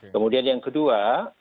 kemudian yang kedua